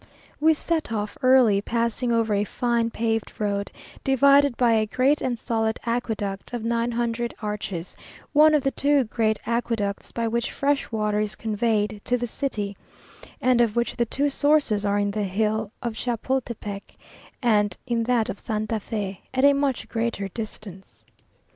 We set off early, passing over a fine paved road, divided by a great and solid aqueduct of nine hundred arches, one of the two great aqueducts by which fresh water is conveyed to the city, and of which the two sources are in the hill of Chapultepec, and in that of Santa Fe, at a much greater distance.